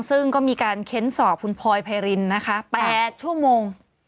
ซึ่งก็มีการเค้นสอบคุณพลอยไพรินนะคะ๘ชั่วโมง